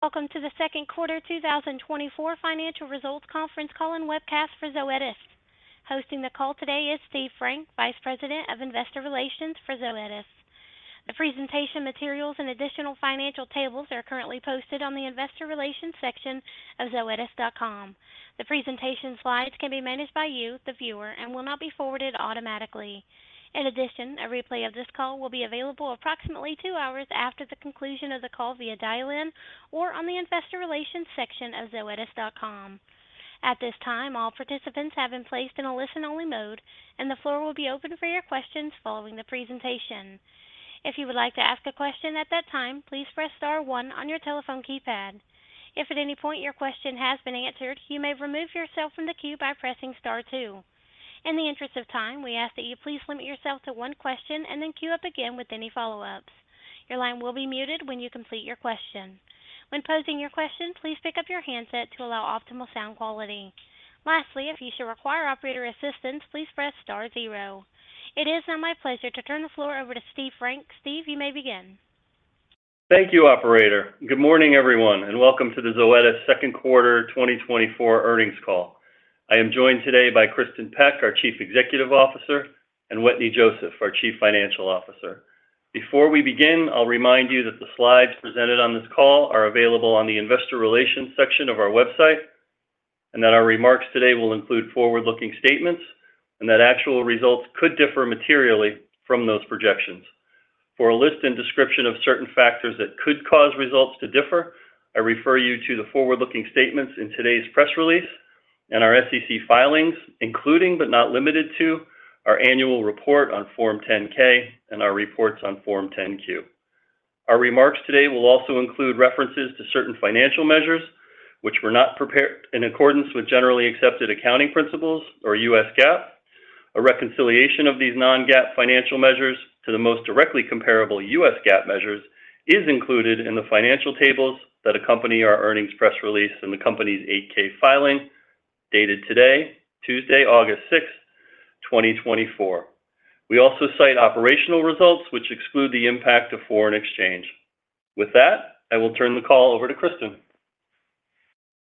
Welcome to the second quarter 2024 financial results conference call and webcast for Zoetis. Hosting the call today is Steve Frank, Vice President of Investor Relations for Zoetis. The presentation materials and additional financial tables are currently posted on the investor relations section of zoetis.com. The presentation slides can be managed by you, the viewer, and will not be forwarded automatically. In addition, a replay of this call will be available approximately two hours after the conclusion of the call via dial-in or on the investor relations section of zoetis.com. At this time, all participants have been placed in a listen-only mode, and the floor will be open for your questions following the presentation. If you would like to ask a question at that time, please press star one on your telephone keypad. If at any point your question has been answered, you may remove yourself from the queue by pressing star two. In the interest of time, we ask that you please limit yourself to one question and then queue up again with any follow-ups. Your line will be muted when you complete your question. When posing your question, please pick up your handset to allow optimal sound quality. Lastly, if you should require operator assistance, please press star zero. It is now my pleasure to turn the floor over to Steve Frank. Steve, you may begin. Thank you, operator. Good morning, everyone, and welcome to the Zoetis second quarter 2024 earnings call. I am joined today by Kristin Peck, our Chief Executive Officer, and Wetteny Joseph, our Chief Financial Officer. Before we begin, I'll remind you that the slides presented on this call are available on the investor relations section of our website, and that our remarks today will include forward-looking statements and that actual results could differ materially from those projections. For a list and description of certain factors that could cause results to differ, I refer you to the forward-looking statements in today's press release and our SEC filings, including, but not limited to, our annual report on Form 10-K and our reports on Form 10-Q. Our remarks today will also include references to certain financial measures, which were not prepared in accordance with generally accepted accounting principles or U.S. GAAP. A reconciliation of these non-GAAP financial measures to the most directly comparable US GAAP measures is included in the financial tables that accompany our earnings press release and the company's 8-K filing, dated today, Tuesday, August 6, 2024. We also cite operational results, which exclude the impact of foreign exchange. With that, I will turn the call over to Kristin.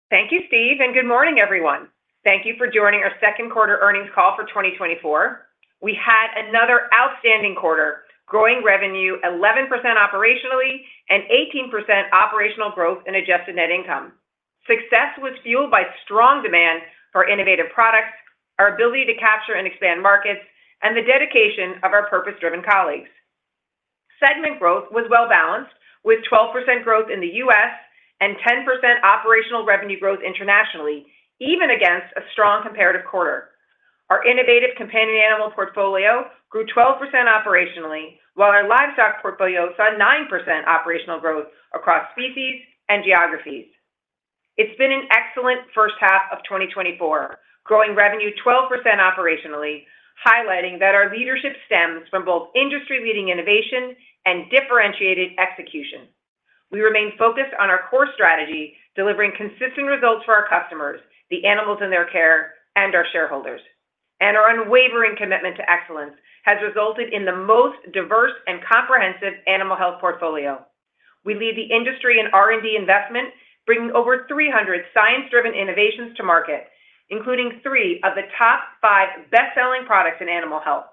Thank you, Steve, and good morning, everyone. Thank you for joining our second quarter earnings call for 2024. We had another outstanding quarter, growing revenue 11% operationally and 18% operational growth in Adjusted Net Income. Success was fueled by strong demand for innovative products, our ability to capture and expand markets, and the dedication of our purpose-driven colleagues. Segment growth was well-balanced, with 12% growth in the U.S. and 10% operational revenue growth internationally, even against a strong comparative quarter. Our Innovative Companion Animal portfolio grew 12% operationally, while our livestock portfolio saw 9% operational growth across species and geographies. It's been an excellent first half of 2024, growing revenue 12% operationally, highlighting that our leadership stems from both industry-leading innovation and differentiated execution. We remain focused on our core strategy, delivering consistent results for our customers, the animals in their care, and our shareholders. Our unwavering commitment to excellence has resulted in the most diverse and comprehensive animal health portfolio. We lead the industry in R&D investment, bringing over 300 science-driven innovations to market, including three of the top five best-selling products in animal health,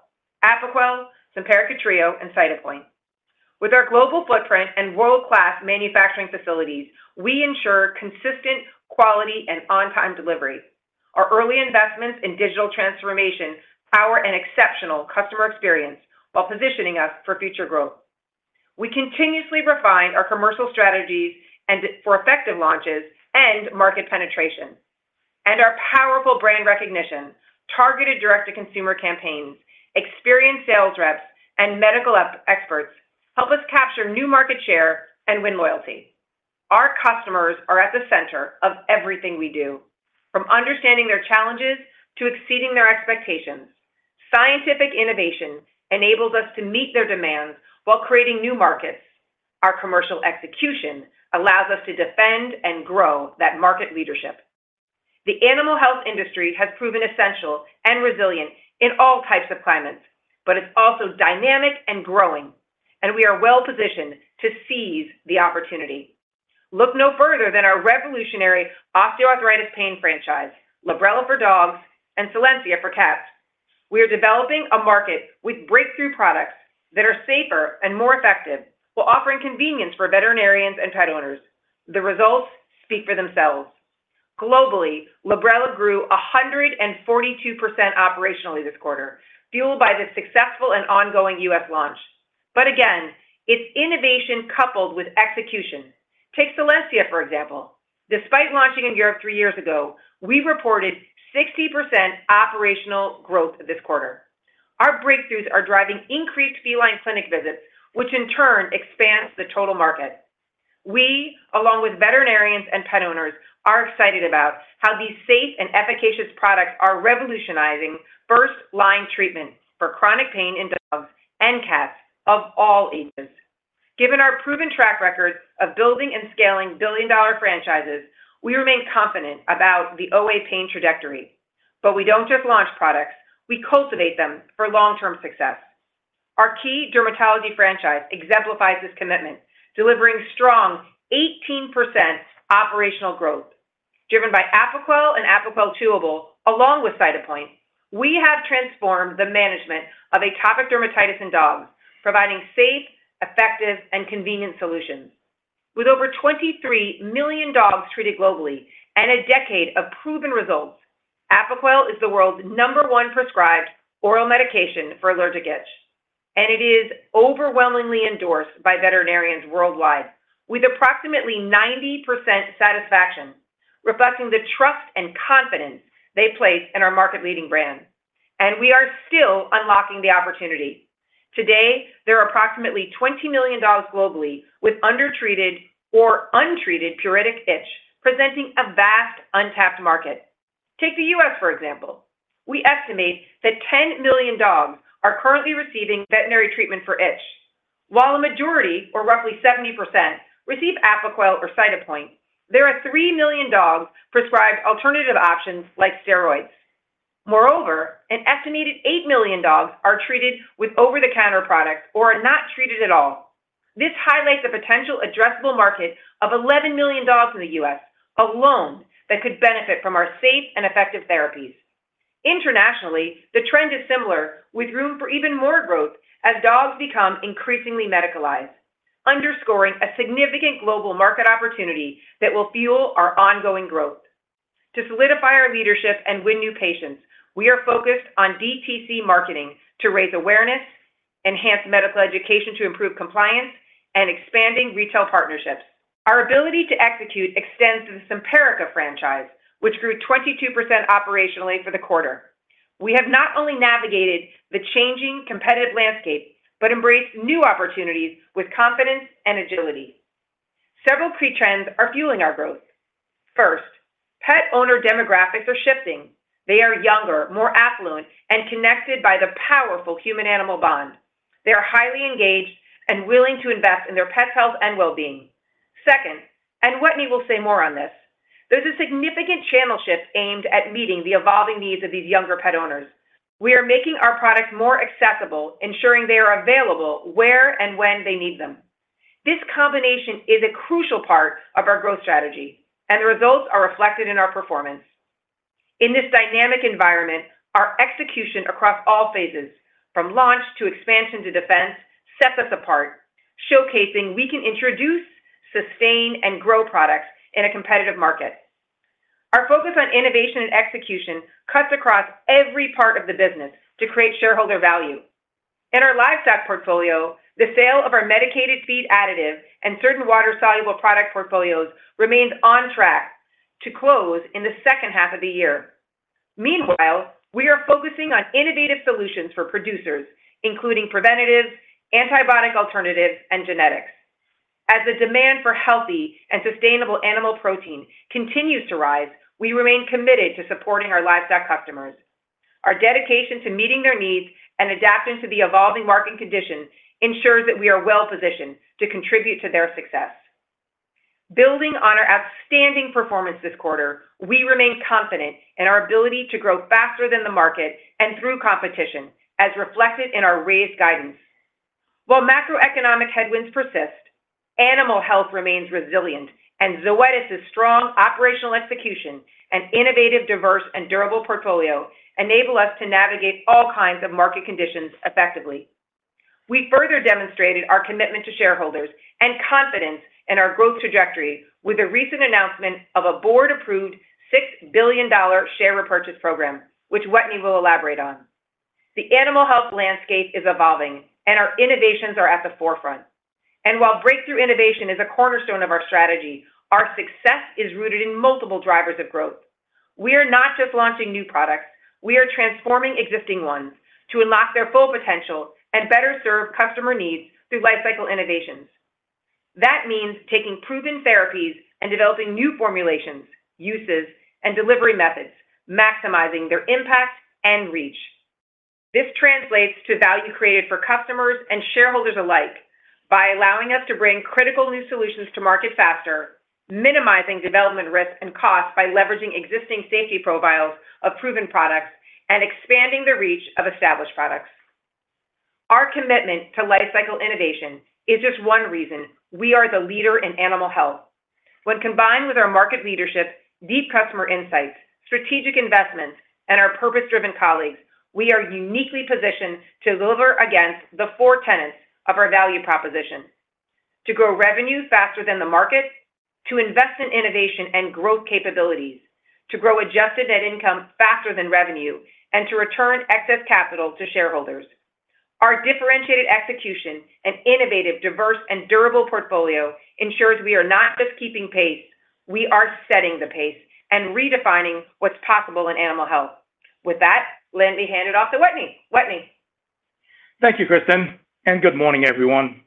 Apoquel, Simparica Trio, and Cytopoint. With our global footprint and world-class manufacturing facilities, we ensure consistent quality and on-time delivery. Our early investments in digital transformation power an exceptional customer experience while positioning us for future growth. We continuously refine our commercial strategies and for effective launches and market penetration. Our powerful brand recognition, targeted direct-to-consumer campaigns, experienced sales reps, and medical experts help us capture new market share and win loyalty. Our customers are at the center of everything we do, from understanding their challenges to exceeding their expectations. Scientific innovation enables us to meet their demands while creating new markets. Our commercial execution allows us to defend and grow that market leadership. The animal health industry has proven essential and resilient in all types of climates, but it's also dynamic and growing, and we are well-positioned to seize the opportunity. Look no further than our revolutionary osteoarthritis pain franchise, Librela for dogs and Solensia for cats. We are developing a market with breakthrough products that are safer and more effective while offering convenience for veterinarians and pet owners. The results speak for themselves. Globally, Librela grew 142% operationally this quarter, fueled by the successful and ongoing U.S. launch. But again, it's innovation coupled with execution. Take Solensia, for example. Despite launching in Europe three years ago, we reported 60% operational growth this quarter. Our breakthroughs are driving increased feline clinic visits, which in turn expands the total market. We, along with veterinarians and pet owners, are excited about how these safe and efficacious products are revolutionizing first-line treatment for chronic pain in dogs and cats of all ages. Given our proven track record of building and scaling billion-dollar franchises, we remain confident about the OA pain trajectory. But we don't just launch products, we cultivate them for long-term success. Our key dermatology franchise exemplifies this commitment, delivering strong 18% operational growth, driven by Apoquel and Apoquel Chewable, along with Cytopoint. We have transformed the management of atopic dermatitis in dogs, providing safe, effective, and convenient solutions. With over 23 million dogs treated globally and a decade of proven results, Apoquel is the world's number one prescribed oral medication for allergic itch, and it is overwhelmingly endorsed by veterinarians worldwide, with approximately 90% satisfaction, reflecting the trust and confidence they place in our market-leading brand. We are still unlocking the opportunity. Today, there are approximately 20 million dogs globally with undertreated or untreated pruritic itch, presenting a vast untapped market. Take the U.S., for example. We estimate that 10 million dogs are currently receiving veterinary treatment for itch. While a majority, or roughly 70%, receive Apoquel or Cytopoint, there are three million dogs prescribed alternative options like steroids. Moreover, an estimated eight million dogs are treated with over-the-counter products or are not treated at all. This highlights the potential addressable market of 11 million dogs in the U.S. alone that could benefit from our safe and effective therapies. Internationally, the trend is similar, with room for even more growth as dogs become increasingly medicalized, underscoring a significant global market opportunity that will fuel our ongoing growth. To solidify our leadership and win new patients, we are focused on DTC marketing to raise awareness, enhance medical education to improve compliance, and expanding retail partnerships. Our ability to execute extends to the Simparica franchise, which grew 22% operationally for the quarter. We have not only navigated the changing competitive landscape, but embraced new opportunities with confidence and agility. Several key trends are fueling our growth. First, pet owner demographics are shifting. They are younger, more affluent, and connected by the powerful human-animal bond. They are highly engaged and willing to invest in their pet's health and well-being. Second, and Wetteny will say more on this, there's a significant channel shift aimed at meeting the evolving needs of these younger pet owners. We are making our products more accessible, ensuring they are available where and when they need them. This combination is a crucial part of our growth strategy, and the results are reflected in our performance. In this dynamic environment, our execution across all phases, from launch to expansion to defense, sets us apart, showcasing we can introduce, sustain, and grow products in a competitive market. Our focus on innovation and execution cuts across every part of the business to create shareholder value. In our livestock portfolio, the sale of our medicated feed additive and certain water-soluble product portfolios remains on track to close in the second half of the year. Meanwhile, we are focusing on innovative solutions for producers, including preventatives, antibiotic alternatives, and genetics. As the demand for healthy and sustainable animal protein continues to rise, we remain committed to supporting our livestock customers. Our dedication to meeting their needs and adapting to the evolving market conditions ensures that we are well positioned to contribute to their success. Building on our outstanding performance this quarter, we remain confident in our ability to grow faster than the market and through competition, as reflected in our raised guidance. While macroeconomic headwinds persist, animal health remains resilient, and Zoetis' strong operational execution and innovative, diverse, and durable portfolio enable us to navigate all kinds of market conditions effectively. We further demonstrated our commitment to shareholders and confidence in our growth trajectory with the recent announcement of a board-approved $6 billion share repurchase program, which Wetteny will elaborate on. The animal health landscape is evolving, and our innovations are at the forefront. And while breakthrough innovation is a cornerstone of our strategy, our success is rooted in multiple drivers of growth. We are not just launching new products, we are transforming existing ones to unlock their full potential and better serve customer needs through life cycle innovations. That means taking proven therapies and developing new formulations, uses, and delivery methods, maximizing their impact and reach. This translates to value created for customers and shareholders alike by allowing us to bring critical new solutions to market faster, minimizing development risks and costs by leveraging existing safety profiles of proven products, and expanding the reach of established products. Our commitment to life cycle innovation is just one reason we are the leader in animal health. When combined with our market leadership, deep customer insights, strategic investments, and our purpose-driven colleagues, we are uniquely positioned to deliver against the four tenets of our value proposition: to grow revenue faster than the market, to invest in innovation and growth capabilities, to grow Adjusted Net Income faster than revenue, and to return excess capital to shareholders. Our differentiated execution and innovative, diverse, and durable portfolio ensures we are not just keeping pace, we are setting the pace and redefining what's possible in animal health. With that, let me hand it off to Wetteny. Wetteny? Thank you, Kristin, and good morning, everyone.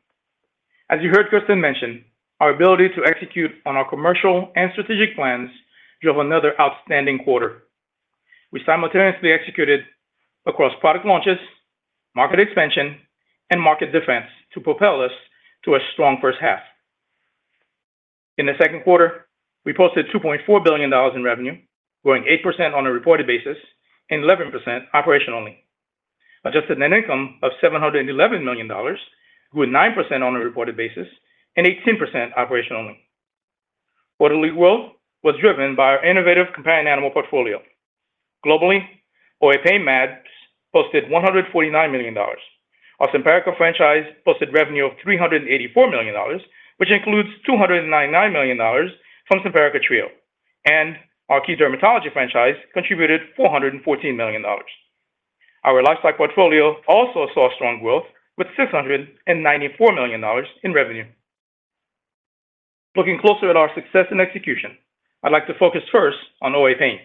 As you heard Kristin mention, our ability to execute on our commercial and strategic plans drove another outstanding quarter. We simultaneously executed across product launches, market expansion, and market defense to propel us to a strong first half. In the second quarter, we posted $2.4 billion in revenue, growing 8% on a reported basis and 11% operationally. Adjusted Net Income of $711 million grew 9% on a reported basis and 18% operationally. Quarterly growth was driven by our Innovative Companion Animal portfolio. Globally, OA pain meds posted $149 million. Our Simparica franchise posted revenue of $384 million, which includes $299 million from Simparica Trio, and our key dermatology franchise contributed $414 million. Our lifestyle portfolio also saw strong growth with $694 million in revenue. Looking closer at our success and execution, I'd like to focus first on OA pain.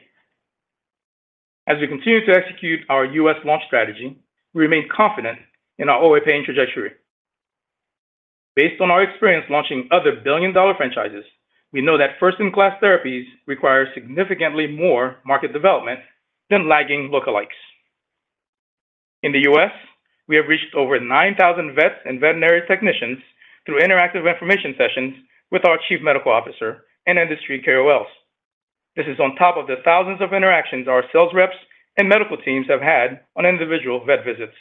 As we continue to execute our U.S. launch strategy, we remain confident in our OA pain trajectory. Based on our experience launching other billion-dollar franchises, we know that first-in-class therapies require significantly more market development than lagging lookalikes. In the U.S., we have reached over 9,000 vets and veterinary technicians through interactive information sessions with our Chief Medical Officer and industry KOLs. This is on top of the thousands of interactions our sales reps and medical teams have had on individual vet visits.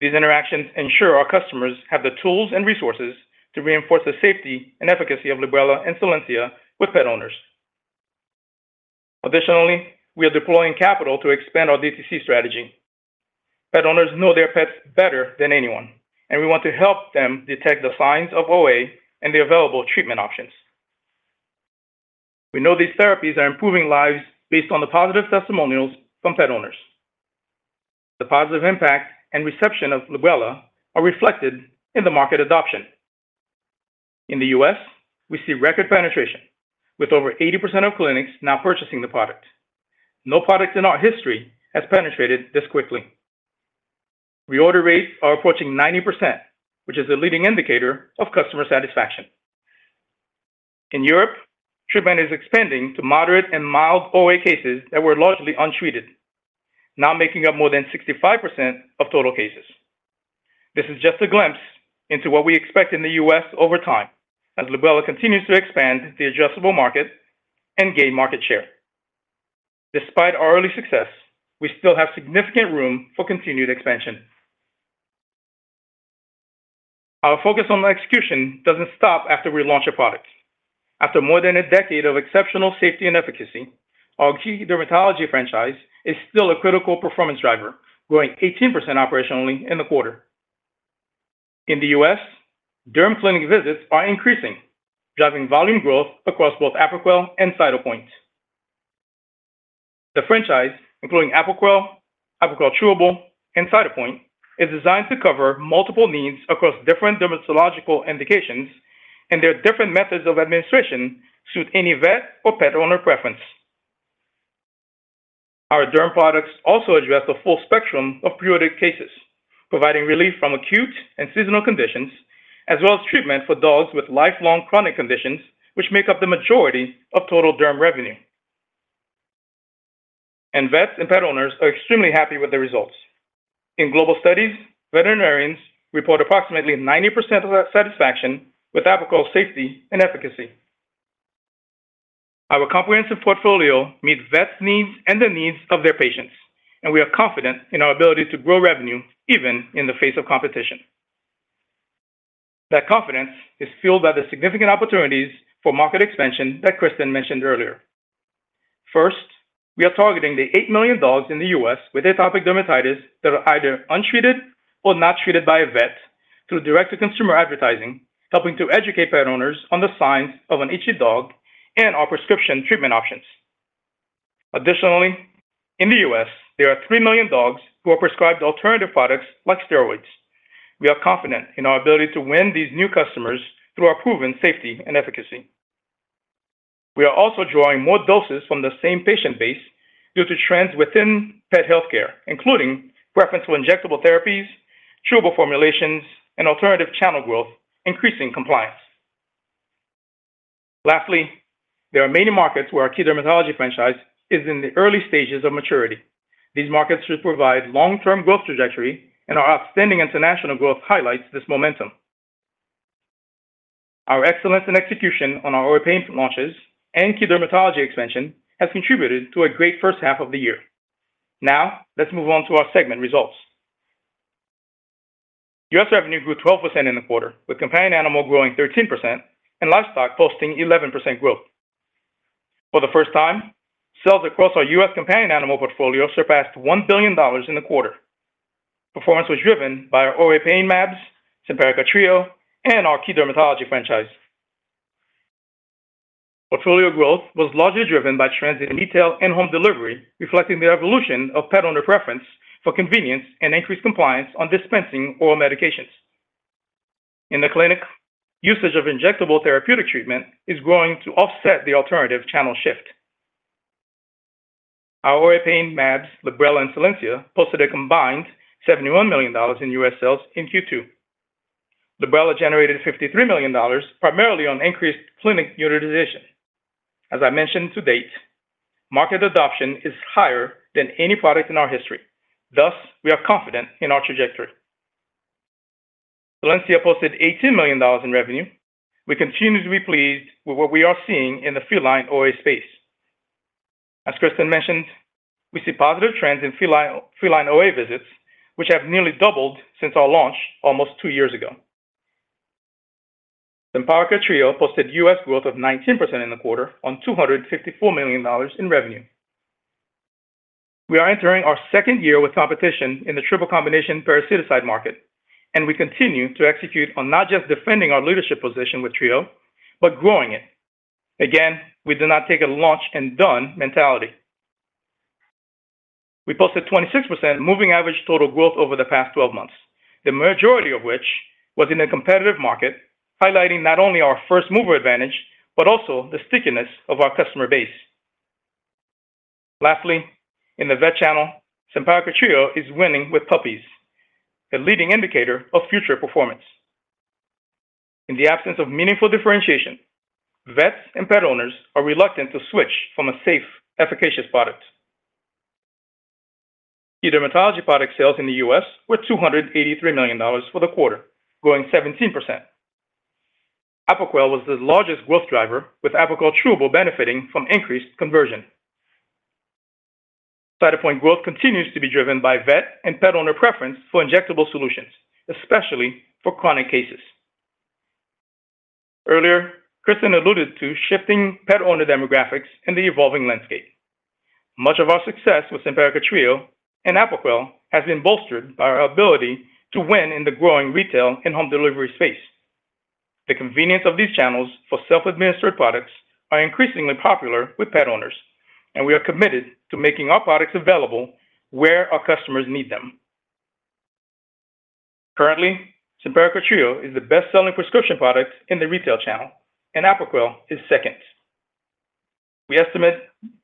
These interactions ensure our customers have the tools and resources to reinforce the safety and efficacy of Librela and Solensia with pet owners. Additionally, we are deploying capital to expand our DTC strategy. Pet owners know their pets better than anyone, and we want to help them detect the signs of OA and the available treatment options. We know these therapies are improving lives based on the positive testimonials from pet owners. The positive impact and reception of Librela are reflected in the market adoption. In the U.S., we see record penetration, with over 80% of clinics now purchasing the product. No product in our history has penetrated this quickly. Reorder rates are approaching 90%, which is a leading indicator of customer satisfaction. In Europe, treatment is expanding to moderate and mild OA cases that were largely untreated, now making up more than 65% of total cases. This is just a glimpse into what we expect in the U.S. over time, as Librela continues to expand the addressable market and gain market share. Despite our early success, we still have significant room for continued expansion. Our focus on execution doesn't stop after we launch a product. After more than a decade of exceptional safety and efficacy, our key dermatology franchise is still a critical performance driver, growing 18% operationally in the quarter. In the U.S., derm clinic visits are increasing, driving volume growth across both Apoquel and Cytopoint. The franchise, including Apoquel, Apoquel Chewable, and Cytopoint, is designed to cover multiple needs across different dermatological indications, and their different methods of administration suit any vet or pet owner preference. Our derm products also address the full spectrum of pruritic cases, providing relief from acute and seasonal conditions, as well as treatment for dogs with lifelong chronic conditions, which make up the majority of total derm revenue. Vets and pet owners are extremely happy with the results. In global studies, veterinarians report approximately 90% of their satisfaction with Apoquel safety and efficacy. Our comprehensive portfolio meets vets' needs and the needs of their patients, and we are confident in our ability to grow revenue even in the face of competition. That confidence is fueled by the significant opportunities for market expansion that Kristin mentioned earlier. First, we are targeting the eight million dogs in the U.S. with atopic dermatitis that are either untreated or not treated by a vet through direct-to-consumer advertising, helping to educate pet owners on the signs of an itchy dog and our prescription treatment options. Additionally, in the U.S., there are three million dogs who are prescribed alternative products like steroids. We are confident in our ability to win these new customers through our proven safety and efficacy. We are also drawing more doses from the same patient base due to trends within pet healthcare, including preference for injectable therapies, chewable formulations, and alternative channel growth, increasing compliance. Lastly, there are many markets where our key dermatology franchise is in the early stages of maturity. These markets should provide long-term growth trajectory, and our outstanding international growth highlights this momentum. Our excellence and execution on our OA pain launches and key dermatology expansion has contributed to a great first half of the year. Now, let's move on to our segment results. U.S. revenue grew 12% in the quarter, with companion animal growing 13% and livestock posting 11% growth. For the first time, sales across our U.S. companion animal portfolio surpassed $1 billion in the quarter. Performance was driven by our OA pain meds, Simparica Trio, and our key dermatology franchise. Portfolio growth was largely driven by trends in retail and home delivery, reflecting the evolution of pet owner preference for convenience and increased compliance on dispensing oral medications. In the clinic, usage of injectable therapeutic treatment is growing to offset the alternative channel shift. Our OA pain meds, Librela and Solensia, posted a combined $71 million in US sales in Q2. Librela generated $53 million, primarily on increased clinic utilization. As I mentioned, to date, market adoption is higher than any product in our history. Thus, we are confident in our trajectory. Solensia posted $18 million in revenue. We continue to be pleased with what we are seeing in the Feline OA space. As Kristin mentioned, we see positive trends in Feline OA visits, which have nearly doubled since our launch almost two years ago. Simparica Trio posted US growth of 19% in the quarter on $254 million in revenue. We are entering our second year with competition in the triple combination parasiticide market, and we continue to execute on not just defending our leadership position with Trio, but growing it. Again, we do not take a launch and done mentality. We posted 26% moving average total growth over the past 12 months, the majority of which was in a competitive market, highlighting not only our first mover advantage, but also the stickiness of our customer base. Lastly, in the vet channel, Simparica Trio is winning with puppies, a leading indicator of future performance. In the absence of meaningful differentiation, vets and pet owners are reluctant to switch from a safe, efficacious product. The dermatology product sales in the U.S. were $283 million for the quarter, growing 17%. Apoquel was the largest growth driver, with Apoquel Chewable benefiting from increased conversion. Cytopoint growth continues to be driven by vet and pet owner preference for injectable solutions, especially for chronic cases. Earlier, Kristin alluded to shifting pet owner demographics and the evolving landscape. Much of our success with Simparica Trio and Apoquel has been bolstered by our ability to win in the growing retail and home delivery space. The convenience of these channels for self-administered products are increasingly popular with pet owners, and we are committed to making our products available where our customers need them. Currently, Simparica Trio is the best-selling prescription product in the retail channel, and Apoquel is second. We estimate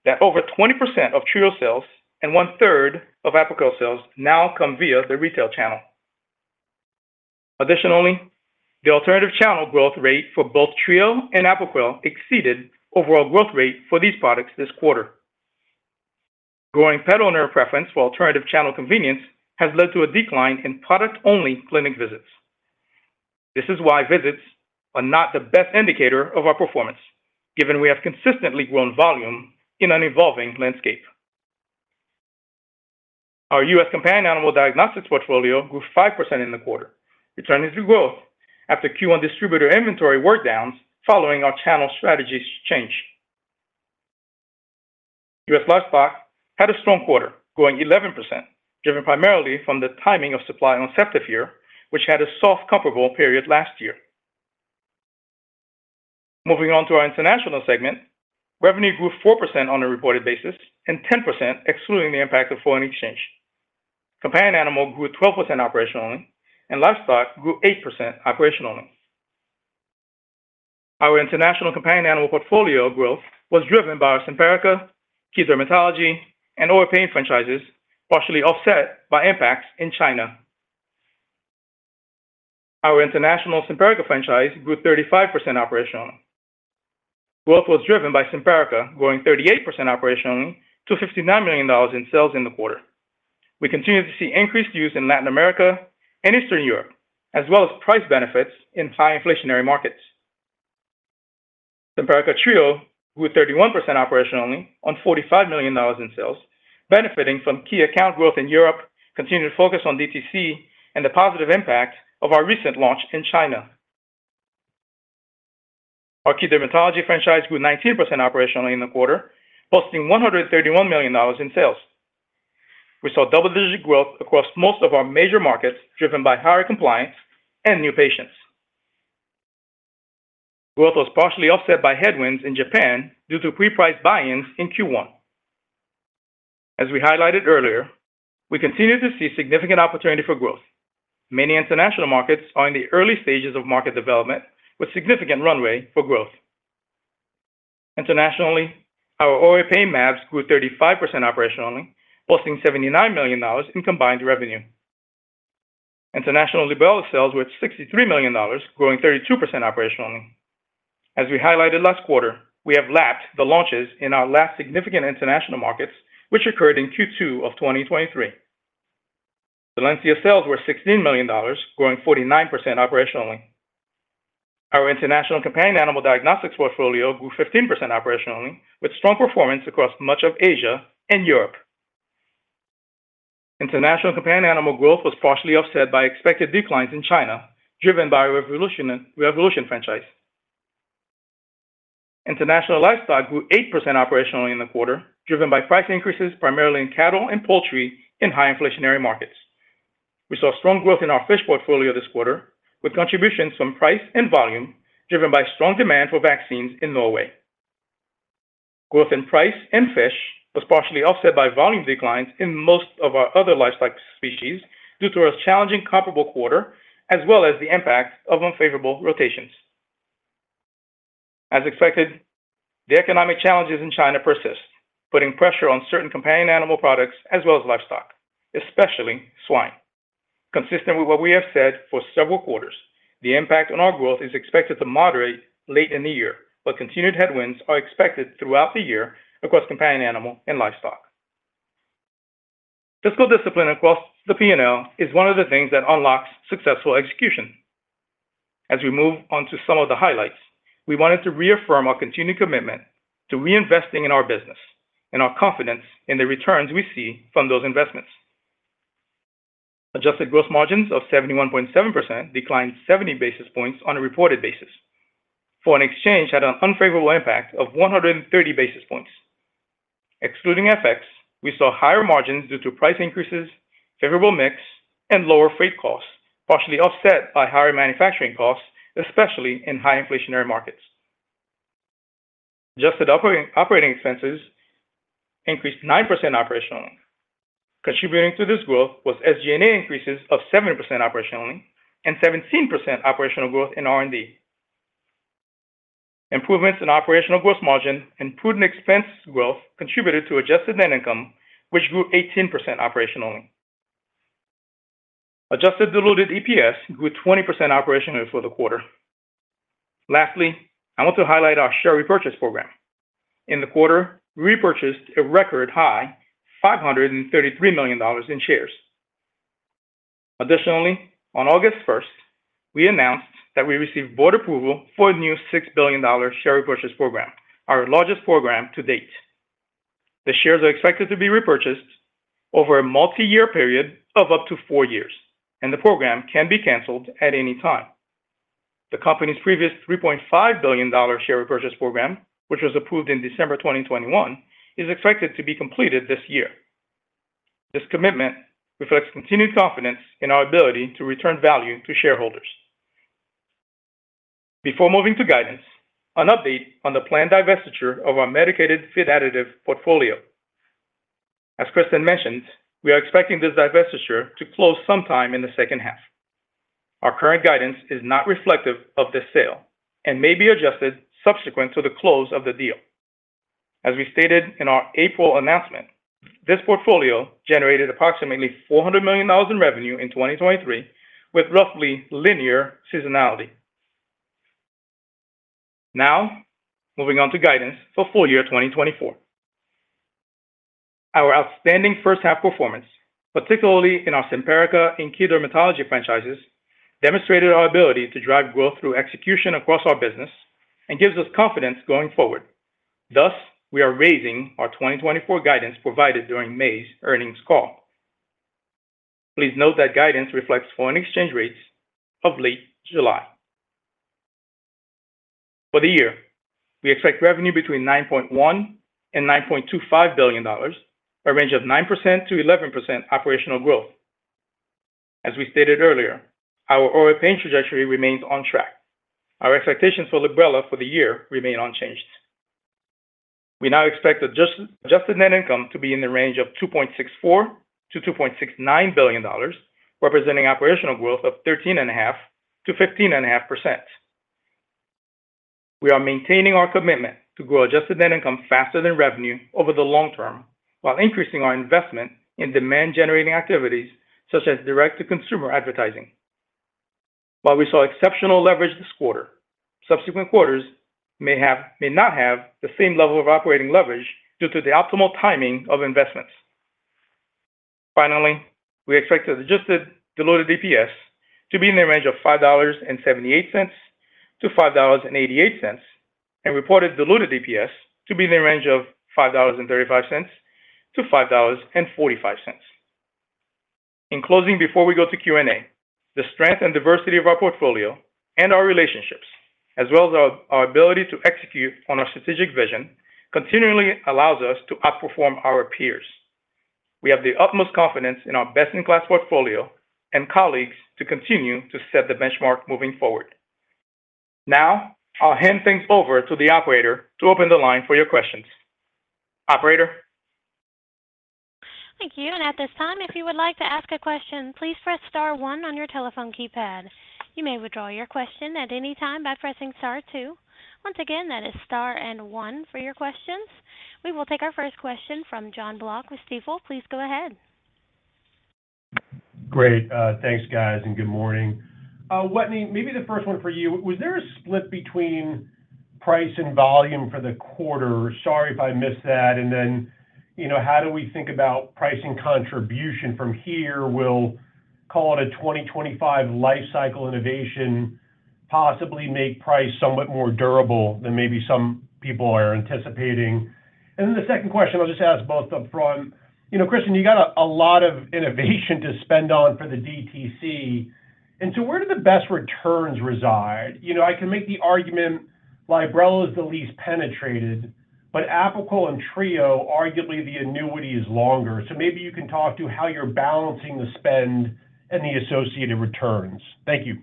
that over 20% of Trio sales and 1/3 of Apoquel sales now come via the retail channel. Additionally, the alternative channel growth rate for both Trio and Apoquel exceeded overall growth rate for these products this quarter. Growing pet owner preference for alternative channel convenience has led to a decline in product-only clinic visits. This is why visits are not the best indicator of our performance, given we have consistently grown volume in an evolving landscape. Our U.S. companion animal diagnostics portfolio grew 5% in the quarter, returning to growth after Q1 distributor inventory work downs following our channel strategies change. U.S. livestock had a strong quarter, growing 11%, driven primarily from the timing of supply on ceftiofur, which had a soft, comparable period last year. Moving on to our international segment, revenue grew 4% on a reported basis and 10% excluding the impact of foreign exchange. Companion animal grew 12% operationally, and livestock grew 8% operationally. Our international companion animal portfolio growth was driven by our Simparica, key dermatology, and OA pain franchises, partially offset by impacts in China. Our international Simparica franchise grew 35% operationally. Growth was driven by Simparica, growing 38% operationally to $59 million in sales in the quarter. We continue to see increased use in Latin America and Eastern Europe, as well as price benefits in high inflationary markets. Simparica Trio grew 31% operationally on $45 million in sales, benefiting from key account growth in Europe, continuing to focus on DTC and the positive impact of our recent launch in China. Our key dermatology franchise grew 19% operationally in the quarter, posting $131 million in sales. We saw double-digit growth across most of our major markets, driven by higher compliance and new patients. Growth was partially offset by headwinds in Japan due to pre-priced buy-ins in Q1. As we highlighted earlier, we continue to see significant opportunity for growth. Many international markets are in the early stages of market development with significant runway for growth. Internationally, our OA pain mAb grew 35% operationally, posting $79 million in combined revenue. International Librela sales were $63 million, growing 32% operationally. As we highlighted last quarter, we have lapped the launches in our last significant international markets, which occurred in Q2 of 2023. Solensia sales were $16 million, growing 49% operationally. Our international companion animal diagnostics portfolio grew 15% operationally, with strong performance across much of Asia and Europe. International companion animal growth was partially offset by expected declines in China, driven by Revolution, Revolution franchise. International livestock grew 8% operationally in the quarter, driven by price increases primarily in cattle and poultry in high inflationary markets. We saw strong growth in our fish portfolio this quarter, with contributions from price and volume driven by strong demand for vaccines in Norway. Growth in price and fish was partially offset by volume declines in most of our other livestock species due to a challenging comparable quarter, as well as the impact of unfavorable rotations. As expected, the economic challenges in China persist, putting pressure on certain companion animal products as well as livestock, especially swine. Consistent with what we have said for several quarters, the impact on our growth is expected to moderate late in the year, but continued headwinds are expected throughout the year across companion animal and livestock. Fiscal discipline across the P&L is one of the things that unlocks successful execution. As we move on to some of the highlights, we wanted to reaffirm our continued commitment to reinvesting in our business and our confidence in the returns we see from those investments. Adjusted gross margins of 71.7% declined 70 basis points on a reported basis. Foreign exchange had an unfavorable impact of 130 basis points. Excluding FX, we saw higher margins due to price increases, favorable mix, and lower freight costs, partially offset by higher manufacturing costs, especially in high inflationary markets. Adjusted operating expenses increased 9% operationally. Contributing to this growth was SG&A increases of 7% operationally and 17% operational growth in R&D. Improvements in operational gross margin and prudent expense growth contributed to Adjusted Net Income, which grew 18% operationally. Adjusted diluted EPS grew 20% operationally for the quarter. Lastly, I want to highlight our share repurchase program. In the quarter, we repurchased a record high, $533 million in shares. Additionally, on August 1st, we announced that we received board approval for a new $6 billion share repurchase program, our largest program to date. The shares are expected to be repurchased over a multi-year period of up to four years, and the program can be canceled at any time. The company's previous $3.5 billion share repurchase program, which was approved in December 2021, is expected to be completed this year. This commitment reflects continued confidence in our ability to return value to shareholders. Before moving to guidance, an update on the planned divestiture of our Medicated Feed Additive portfolio. As Kristin mentioned, we are expecting this divestiture to close sometime in the second half. Our current guidance is not reflective of this sale and may be adjusted subsequent to the close of the deal. As we stated in our April announcement, this portfolio generated approximately $400 million in revenue in 2023, with roughly linear seasonality. Now, moving on to guidance for full year 2024. Our outstanding first half performance, particularly in our Simparica and key dermatology franchises, demonstrated our ability to drive growth through execution across our business and gives us confidence going forward. Thus, we are raising our 2024 guidance provided during May's earnings call. Please note that guidance reflects foreign exchange rates of late July. For the year, we expect revenue between $9.1 billion and $9.25 billion, a range of 9%-11% operational growth. As we stated earlier, our oral pain trajectory remains on track. Our expectations for Librela for the year remain unchanged. We now expect adjusted, Adjusted Net Income to be in the range of $2.64 billion-$2.69 billion, representing operational growth of 13.5%-15.5%. We are maintaining our commitment to grow Adjusted Net Income faster than revenue over the long term, while increasing our investment in demand-generating activities such as direct-to-consumer advertising. While we saw exceptional leverage this quarter, subsequent quarters may not have the same level of operating leverage due to the optimal timing of investments. Finally, we expect adjusted diluted EPS to be in the range of $5.78-$5.88, and reported diluted EPS to be in the range of $5.35-$5.45. In closing, before we go to Q&A, the strength and diversity of our portfolio and our relationships, as well as our ability to execute on our strategic vision, continually allows us to outperform our peers. We have the utmost confidence in our best-in-class portfolio and colleagues to continue to set the benchmark moving forward. Now, I'll hand things over to the operator to open the line for your questions. Operator? Thank you. At this time, if you would like to ask a question, please press star one on your telephone keypad. You may withdraw your question at any time by pressing star two. Once again, that is star and one for your questions. We will take our first question from Jon Block with Stifel. Please go ahead. Great. Thanks, guys, and good morning. Wetteny, maybe the first one for you. Was there a split between price and volume for the quarter? Sorry if I missed that. And then, you know, how do we think about pricing contribution from here? We'll call it a 2025 life cycle innovation, possibly make price somewhat more durable than maybe some people are anticipating. And then the second question, I'll just ask both up front: You know, Kristin, you got a lot of innovation to spend on for the DTC, and so where do the best returns reside? You know, I can make the argument Librela is the least penetrated, but Apoquel and Trio, arguably, the annuity is longer. So maybe you can talk to how you're balancing the spend and the associated returns. Thank you.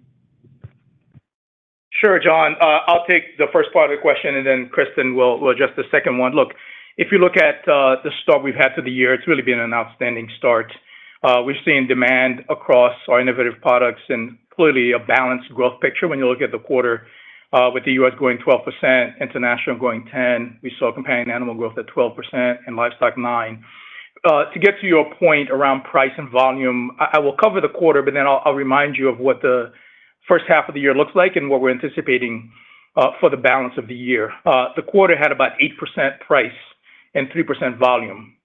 Sure, Jon. I'll take the first part of the question, and then Kristin will address the second one. Look, if you look at the start we've had to the year, it's really been an outstanding start. We've seen demand across our innovative products and clearly a balanced growth picture when you look at the quarter, with the U.S. growing 12%, international growing 10%, we saw companion animal growth at 12% and livestock, 9%. To get to your point around price and volume, I will cover the quarter, but then I'll remind you of what the first half of the year looks like and what we're anticipating for the balance of the year. The quarter had about 8% price and 3% volume.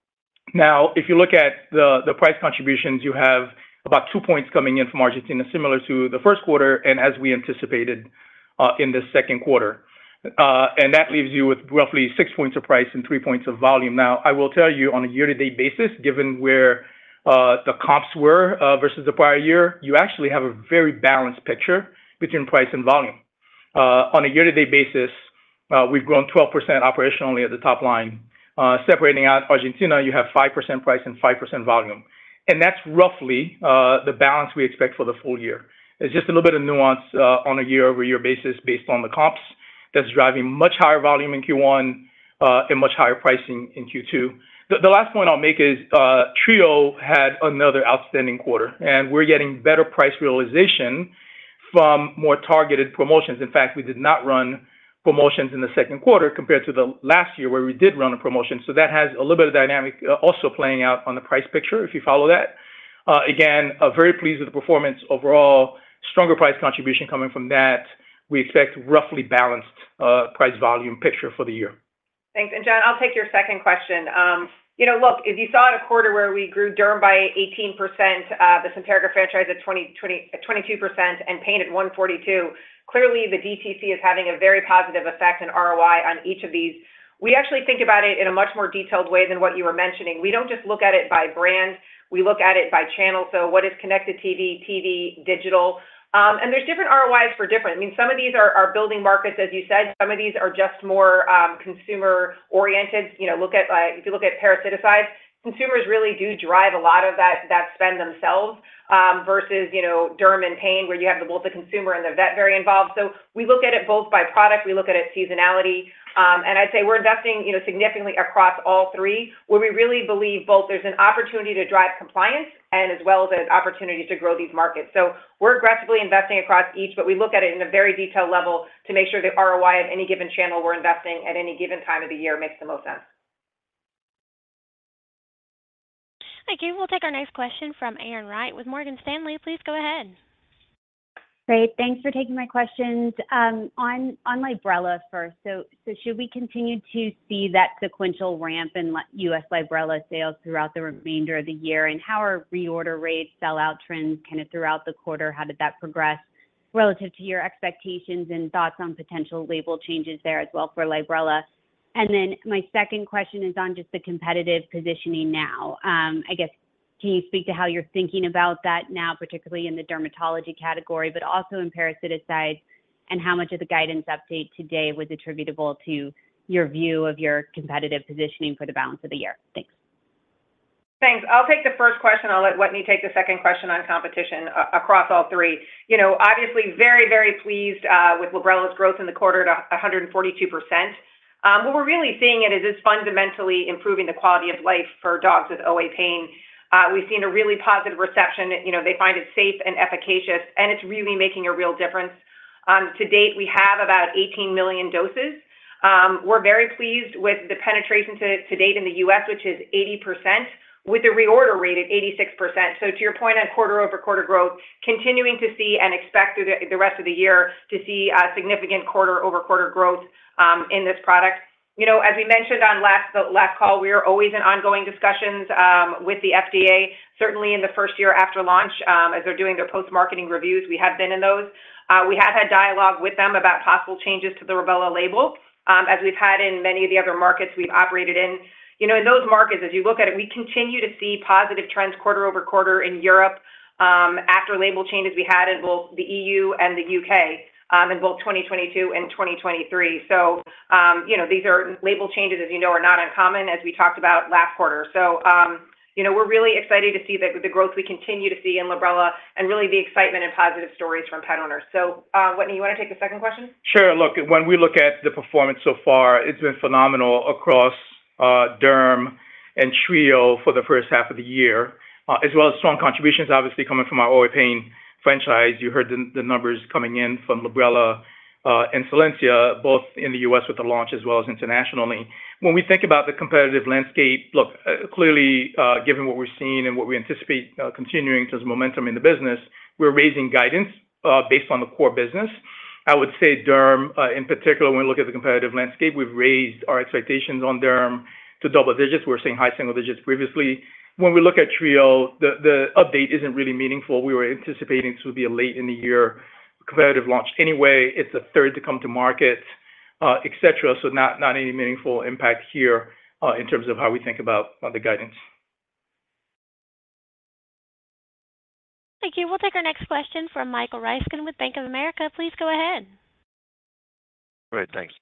Now, if you look at the price contributions, you have about 2 points coming in from Argentina, similar to the first quarter, and as we anticipated in the second quarter. That leaves you with roughly 6 points of price and 3 points of volume. Now, I will tell you, on a year-to-date basis, given where the comps were versus the prior year, you actually have a very balanced picture between price and volume. On a year-to-date basis, we've grown 12% operationally at the top line. Separating out Argentina, you have 5% price and 5% volume, and that's roughly the balance we expect for the full year. It's just a little bit of nuance on a year-over-year basis based on the comps that's driving much higher volume in Q1 and much higher pricing in Q2. The last point I'll make is, Trio had another outstanding quarter, and we're getting better price realization from more targeted promotions. In fact, we did not run promotions in the second quarter compared to the last year, where we did run a promotion. So that has a little bit of dynamic also playing out on the price picture, if you follow that. Again, I'm very pleased with the performance. Overall, stronger price contribution coming from that. We expect roughly balanced price volume picture for the year. Thanks. And, Jon, I'll take your second question. You know, look, if you saw in a quarter where we grew derm by 18%, the Simparica franchise at 22%, and pain at 142%, clearly the DTC is having a very positive effect in ROI on each of these. We actually think about it in a much more detailed way than what you were mentioning. We don't just look at it by brand, we look at it by channel. So what is connected TV, TV, digital? And there's different ROIs for different. I mean, some of these are, are building markets, as you said. Some of these are just more consumer-oriented. You know, look at if you look at parasiticides, consumers really do drive a lot of that, that spend themselves versus, you know, derm and pain, where you have the both the consumer and the vet very involved. So we look at it both by product, we look at it seasonality, and I'd say we're investing, you know, significantly across all three, where we really believe both there's an opportunity to drive compliance and as well as an opportunity to grow these markets. So we're aggressively investing across each, but we look at it in a very detailed level to make sure the ROI of any given channel we're investing at any given time of the year makes the most sense. Thank you. We'll take our next question from Erin Wright with Morgan Stanley. Please go ahead. Great. Thanks for taking my questions. On Librela first. So should we continue to see that sequential ramp in U.S. Librela sales throughout the remainder of the year? And how are reorder rates, sell-out trends, kind of throughout the quarter, how did that progress relative to your expectations and thoughts on potential label changes there as well for Librela? And then my second question is on just the competitive positioning now. I guess, can you speak to how you're thinking about that now, particularly in the dermatology category, but also in parasiticides, and how much of the guidance update today was attributable to your view of your competitive positioning for the balance of the year? Thanks. Thanks. I'll take the first question. I'll let Whitney take the second question on competition across all three. You know, obviously, very, very pleased with Librela's growth in the quarter to 142%. What we're really seeing is fundamentally improving the quality of life for dogs with OA pain. We've seen a really positive reception. You know, they find it safe and efficacious, and it's really making a real difference. To date, we have about 18 million doses. We're very pleased with the penetration to date in the U.S., which is 80%, with a reorder rate of 86%. So to your point on quarter-over-quarter growth, continuing to see and expect through the rest of the year to see a significant quarter-over-quarter growth in this product. You know, as we mentioned on the last call, we are always in ongoing discussions with the FDA, certainly in the first year after launch, as they're doing their post-marketing reviews, we have been in those. We have had dialogue with them about possible changes to the Librela label, as we've had in many of the other markets we've operated in. You know, in those markets, as you look at it, we continue to see positive trends quarter-over-quarter in Europe, after label changes we had in both the E.U. and the U.K., in both 2022 and 2023. So, you know, these are label changes, as you know, are not uncommon as we talked about last quarter. So, you know, we're really excited to see the growth we continue to see in Librela and really the excitement and positive stories from pet owners. So, Whitney, you want to take the second question? Sure. Look, when we look at the performance so far, it's been phenomenal across, derm and Trio for the first half of the year, as well as strong contributions, obviously, coming from our OA pain franchise. You heard the numbers coming in from Librela and Solensia, both in the U.S. with the launch as well as internationally. When we think about the competitive landscape, look, clearly, given what we're seeing and what we anticipate, continuing to the momentum in the business, we're raising guidance, based on the core business. I would say derm, in particular, when we look at the competitive landscape, we've raised our expectations on derm to double digits. We're seeing high single digits previously. When we look at Trio, the update isn't really meaningful. We were anticipating this would be a late in the year competitive launch anyway. It's a third to come to market, et cetera. So not, not any meaningful impact here, in terms of how we think about, about the guidance. Thank you. We'll take our next question from Michael Ryskin with Bank of America. Please go ahead. Great, thanks.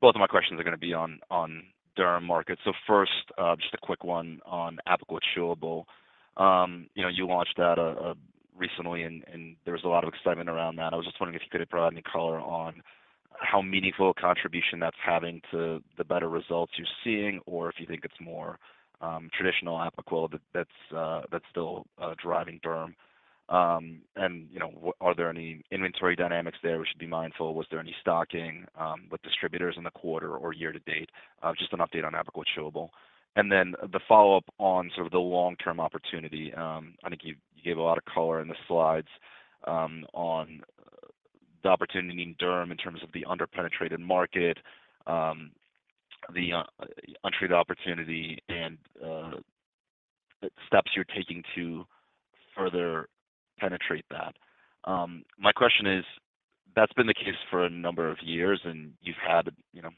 Both of my questions are gonna be on, on derm market. So first, just a quick one on Apoquel Chewable. You know, you launched that, recently, and, and there was a lot of excitement around that. I was just wondering if you could provide any color on how meaningful a contribution that's having to the better results you're seeing, or if you think it's more, traditional Apoquel that, that's, that's still, driving derm. And, you know, were there any inventory dynamics there we should be mindful of? Was there any stocking, with distributors in the quarter or year to date? Just an update on Apoquel Chewable. And then the follow-up on sort of the long-term opportunity, I think you, you gave a lot of color in the slides, on. The opportunity in derm in terms of the under-penetrated market, the untreated opportunity and the steps you're taking to further penetrate that. My question is, that's been the case for a number of years, and you've had, you know,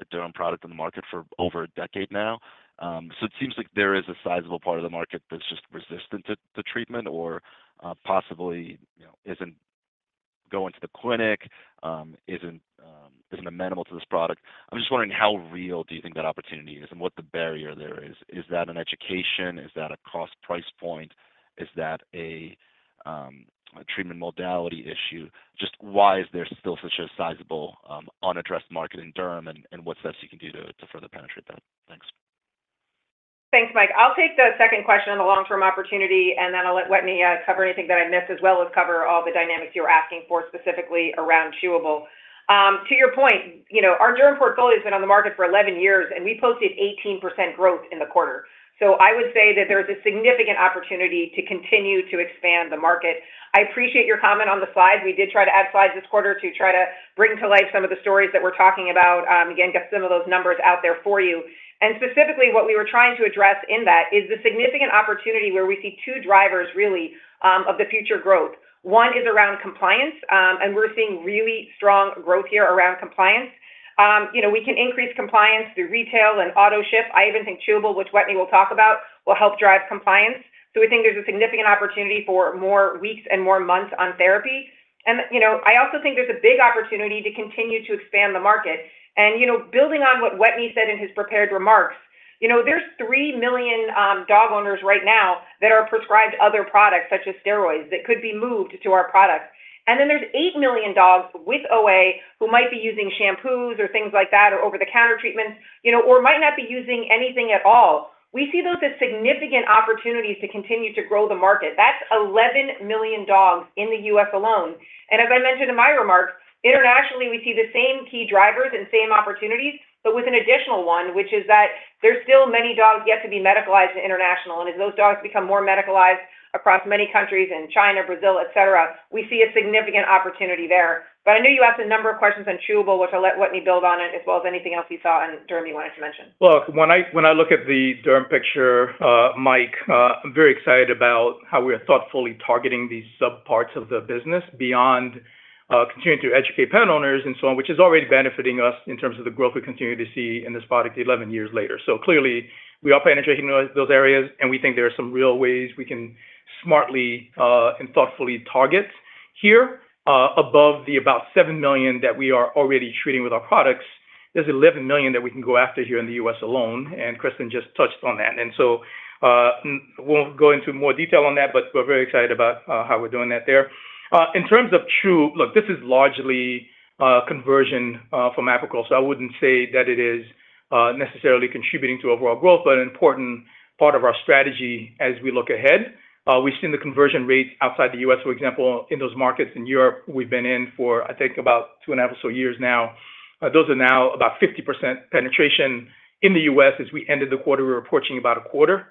a derm product on the market for over a decade now. So it seems like there is a sizable part of the market that's just resistant to treatment or, possibly, you know, isn't going to the clinic, isn't amenable to this product. I'm just wondering, how real do you think that opportunity is and what the barrier there is? Is that in education? Is that a cost price point? Is that a treatment modality issue? Just why is there still such a sizable unaddressed market in derm and what steps you can do to further penetrate that? Thanks. Thanks, Mike. I'll take the second question on the long-term opportunity, and then I'll let Wetteny cover anything that I missed, as well as cover all the dynamics you're asking for, specifically around chewable. To your point, you know, our derm portfolio has been on the market for 11 years, and we posted 18% growth in the quarter. So I would say that there is a significant opportunity to continue to expand the market. I appreciate your comment on the slides. We did try to add slides this quarter to try to bring to light some of the stories that we're talking about, again, get some of those numbers out there for you. And specifically, what we were trying to address in that is the significant opportunity where we see two drivers, really, of the future growth. One is around compliance, and we're seeing really strong growth here around compliance. You know, we can increase compliance through retail and autoship. I even think chewable, which Wetteny will talk about, will help drive compliance. So we think there's a significant opportunity for more weeks and more months on therapy. You know, I also think there's a big opportunity to continue to expand the market. You know, building on what Wetteny said in his prepared remarks, you know, there's three million dog owners right now that are prescribed other products, such as steroids, that could be moved to our products. And then there's 8 million dogs with OA who might be using shampoos or things like that, or over-the-counter treatments, you know, or might not be using anything at all. We see those as significant opportunities to continue to grow the market. That's 11 million dogs in the U.S. alone. As I mentioned in my remarks, internationally, we see the same key drivers and same opportunities, but with an additional one, which is that there's still many dogs yet to be medicalized internationally. And as those dogs become more medicalized across many countries in China, Brazil, et cetera, we see a significant opportunity there. But I know you asked a number of questions on chewable, which I'll let Wetteny build on it, as well as anything else you saw in derm you wanted to mention. Look, when I, when I look at the derm picture, Mike, I'm very excited about how we are thoughtfully targeting these subparts of the business beyond, continuing to educate pet owners and so on, which is already benefiting us in terms of the growth we continue to see in this product 11 years later. So clearly, we are penetrating those, those areas, and we think there are some real ways we can smartly, and thoughtfully target here, above the about seven million that we are already treating with our products. There's 11 million that we can go after here in the U.S. alone, and Kristin just touched on that. And so, we'll go into more detail on that, but we're very excited about, how we're doing that there. In terms of chew, look, this is largely, conversion, from Apoquel. So I wouldn't say that it is necessarily contributing to overall growth, but an important part of our strategy as we look ahead. We've seen the conversion rates outside the U.S., for example, in those markets in Europe, we've been in for, I think, about 2.5 or so years now. Those are now about 50% penetration in the U.S. As we ended the quarter, we were approaching about a quarter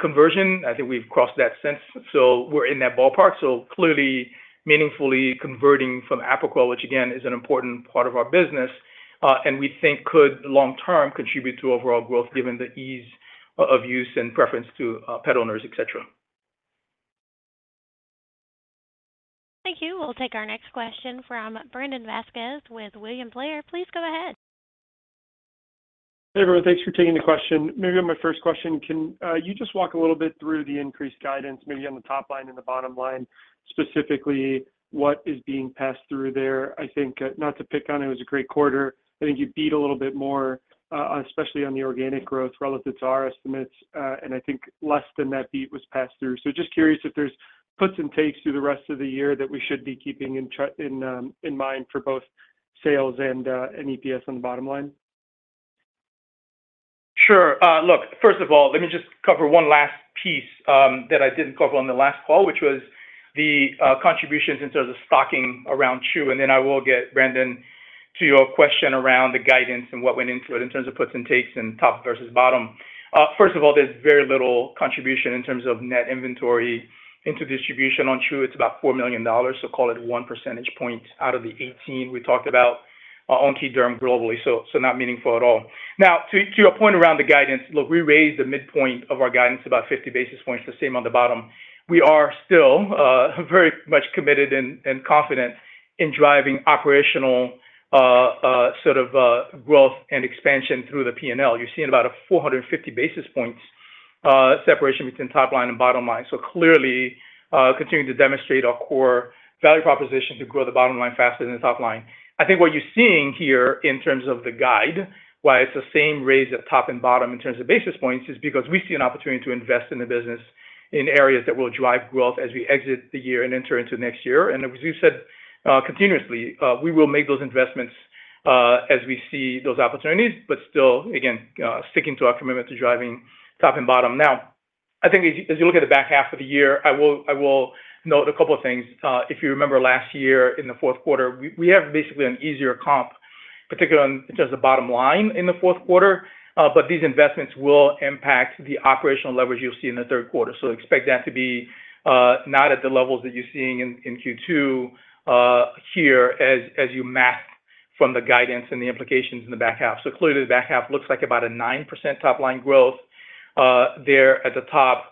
conversion. I think we've crossed that since. So we're in that ballpark. So clearly, meaningfully converting from Apoquel, which again, is an important part of our business, and we think could long-term contribute to overall growth given the ease of use and preference to pet owners, et cetera. Thank you. We'll take our next question from Brandon Vazquez with William Blair. Please go ahead. Hey, everyone. Thanks for taking the question. Maybe on my first question, can you just walk a little bit through the increased guidance, maybe on the top line and the bottom line, specifically, what is being passed through there? I think, not to pick on it, it was a great quarter. I think you beat a little bit more, especially on the organic growth relative to our estimates, and I think less than that beat was passed through. So just curious if there's puts and takes through the rest of the year that we should be keeping in mind for both sales and EPS on the bottom line. Sure. Look, first of all, let me just cover one last piece, that I didn't cover on the last call, which was the contributions in terms of stocking around chew, and then I will get, Brandon, to your question around the guidance and what went into it in terms of puts and takes and top versus bottom. First of all, there's very little contribution in terms of net inventory into distribution. On chew, it's about $4 million, so call it 1 percentage point out of the 18 we talked about, on key derm globally, so not meaningful at all. Now, to your point around the guidance, look, we raised the midpoint of our guidance about 50 basis points, the same on the bottom. We are still very much committed and confident in driving operational sort of growth and expansion through the P&L. You're seeing about 450 basis points separation between top line and bottom line. So clearly continuing to demonstrate our core value proposition to grow the bottom line faster than the top line. I think what you're seeing here in terms of the guide, why it's the same raise at top and bottom in terms of basis points, is because we see an opportunity to invest in the business in areas that will drive growth as we exit the year and enter into next year. And as you said continuously we will make those investments as we see those opportunities, but still, again, sticking to our commitment to driving top and bottom. Now, I think as you look at the back half of the year, I will note a couple of things. If you remember last year in the fourth quarter, we have basically an easier comp, particular on just the bottom line in the fourth quarter, but these investments will impact the operational leverage you'll see in the third quarter. So expect that to be not at the levels that you're seeing in Q2 here, as you map from the guidance and the implications in the back half. So clearly, the back half looks like about a 9% top line growth there at the top,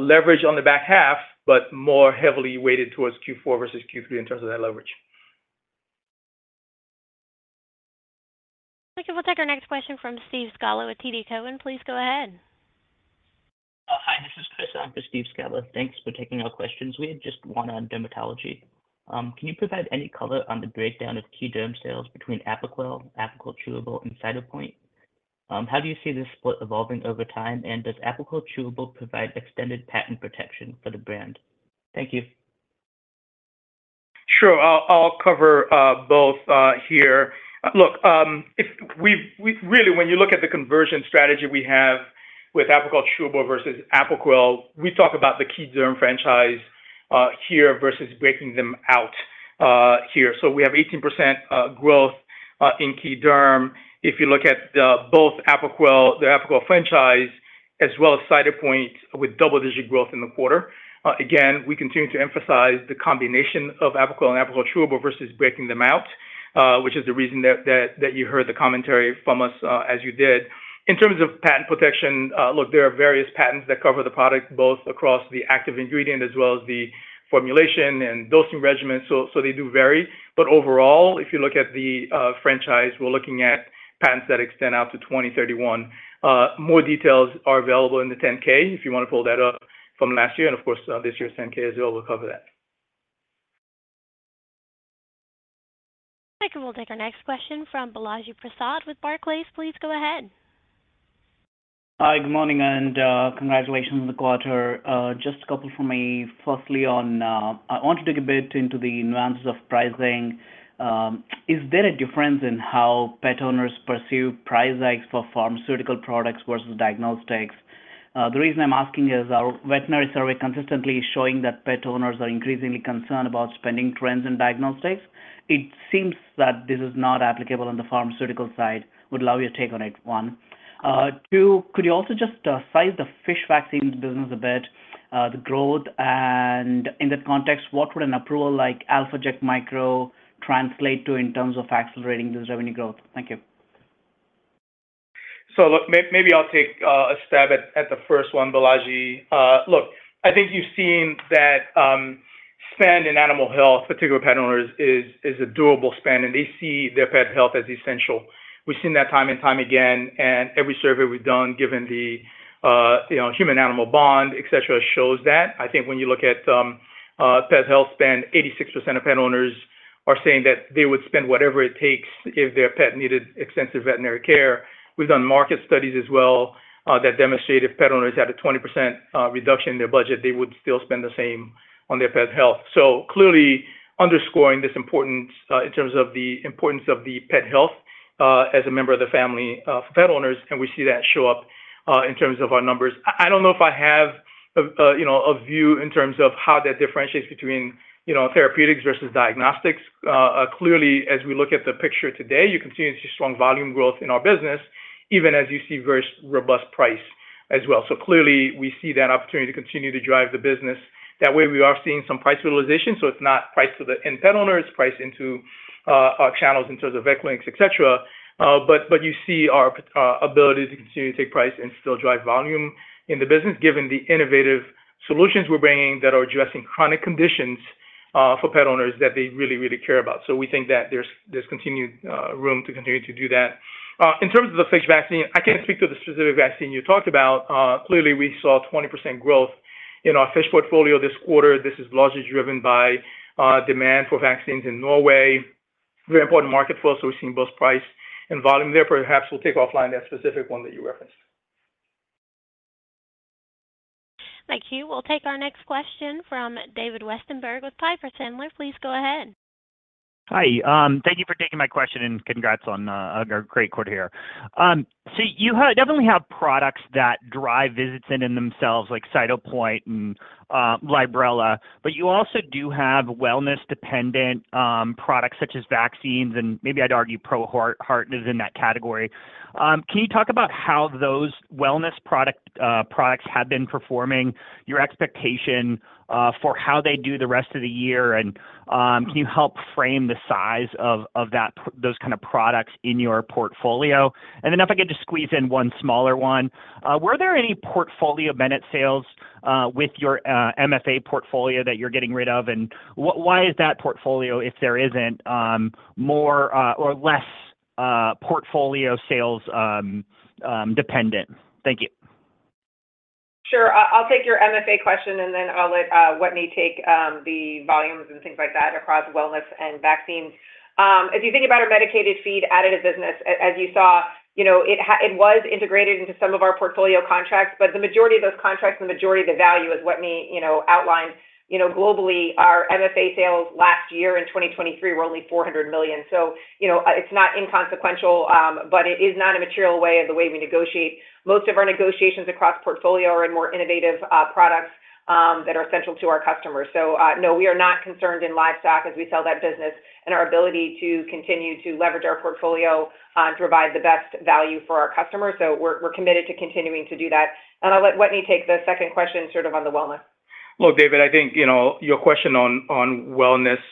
leverage on the back half, but more heavily weighted towards Q4 versus Q3 in terms of that leverage. Thank you. We'll take our next question from Steve Scala with TD Cowen. Please go ahead. Hi, this is Chris. I'm for Steve Scala. Thanks for taking our questions. We had just one on dermatology. Can you provide any color on the breakdown of key derm sales between Apoquel, Apoquel Chewable, and Cytopoint? How do you see this split evolving over time? And does Apoquel Chewable provide extended patent protection for the brand? Thank you. Sure. I'll cover both here. Look, if we've really, when you look at the conversion strategy we have with Apoquel Chewable versus Apoquel, we talk about the key derm franchise here versus breaking them out here. So we have 18% growth in key derm. If you look at the both Apoquel, the Apoquel franchise, as well as Cytopoint, with double-digit growth in the quarter. Again, we continue to emphasize the combination of Apoquel and Apoquel Chewable versus breaking them out, which is the reason that you heard the commentary from us, as you did. In terms of patent protection, look, there are various patents that cover the product, both across the active ingredient as well as the formulation and dosing regimen, so they do vary. But overall, if you look at the franchise, we're looking at patents that extend out to 2031. More details are available in the 10-K, if you want to pull that up from last year. And of course, this year's 10-K as well, we'll cover that. Thank you. We'll take our next question from Balaji Prasad with Barclays. Please go ahead. Hi, good morning, and, congratulations on the quarter. Just a couple for me. Firstly, on, I want to dig a bit into the nuances of pricing. Is there a difference in how pet owners pursue price hikes for pharmaceutical products versus diagnostics? The reason I'm asking is our veterinary survey consistently showing that pet owners are increasingly concerned about spending trends in diagnostics. It seems that this is not applicable on the pharmaceutical side. Would allow your take on it, one. Two, could you also just, size the fish vaccine business a bit, the growth, and in that context, what would an approval like Alpha Ject micro translate to in terms of accelerating this revenue growth? Thank you. So look, maybe I'll take a stab at the first one, Balaji. Look, I think you've seen that spend in animal health, particular pet owners, is a doable spend, and they see their pet health as essential. We've seen that time and time again, and every survey we've done, given the, you know, human-animal bond, et cetera, shows that. I think when you look at pet health spend, 86% of pet owners are saying that they would spend whatever it takes if their pet needed extensive veterinary care. We've done market studies as well that demonstrate if pet owners had a 20% reduction in their budget, they would still spend the same on their pet health. So clearly underscoring this importance, in terms of the importance of the pet health, as a member of the family, pet owners, and we see that show up, in terms of our numbers. I don't know if I have a, you know, a view in terms of how that differentiates between, you know, therapeutics versus diagnostics. Clearly, as we look at the picture today, you continue to see strong volume growth in our business, even as you see very robust price as well. So clearly, we see that opportunity to continue to drive the business. That way, we are seeing some price realization, so it's not price to the end pet owner, it's price into, our channels in terms of vet clinics, et cetera. But, but you see our ability to continue to take price and still drive volume in the business, given the innovative solutions we're bringing that are addressing chronic conditions, for pet owners that they really, really care about. So we think that there's, there's continued room to continue to do that. In terms of the fish vaccine, I can't speak to the specific vaccine you talked about. Clearly, we saw 20% growth in our fish portfolio this quarter. This is largely driven by demand for vaccines in Norway. Very important market for us, so we've seen both price and volume there. Perhaps we'll take offline that specific one that you referenced. Thank you. We'll take our next question from David Westenberg with Piper Sandler. Please go ahead. Hi. Thank you for taking my question, and congrats on a great quarter here. So you definitely have products that drive visits in and themselves, like Cytopoint and Librela, but you also do have wellness-dependent products such as vaccines, and maybe I'd argue ProHeart is in that category. Can you talk about how those wellness products have been performing, your expectation for how they do the rest of the year, and can you help frame the size of those kind of products in your portfolio? And then if I could just squeeze in one smaller one, were there any portfolio benefit sales with your MFA portfolio that you're getting rid of? And why is that portfolio, if there isn't more or less portfolio sales, dependent? Thank you. Sure. I'll take your MFA question, and then I'll let Wetteny take the volumes and things like that across wellness and vaccines. If you think about our medicated feed additive business, as you saw, you know, it was integrated into some of our portfolio contracts, but the majority of those contracts, the majority of the value is what we, you know, outlined. You know, globally, our MFA sales last year in 2023 were only $400 million. So, you know, it's not inconsequential, but it is not a material way of the way we negotiate. Most of our negotiations across portfolio are in more innovative products that are essential to our customers. So, no, we are not concerned in livestock as we sell that business and our ability to continue to leverage our portfolio to provide the best value for our customers. So we're committed to continuing to do that. And I'll let Wetteny take the second question sort of on the wellness. Look, David, I think, you know, your question on, on wellness,